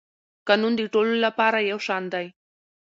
قانون د ټولو لپاره یو شان دی.